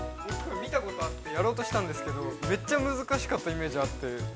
◆見たことあって、やろうとしたんですけど、めっちゃ難しかったイメージがあって。